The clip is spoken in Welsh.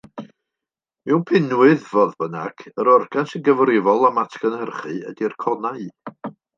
Mewn pinwydd, fodd bynnag, yr organ sy'n gyfrifol am atgynhyrchu ydy'r conau.